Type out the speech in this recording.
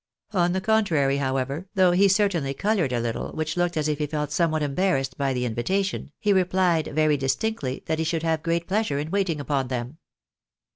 On the contrary, how ever, though he certainly coloured a little, which looked as if he felt somewhat embarrassed by the invitation, he replied very distinctly that he should have great pleasure in waiting upon them.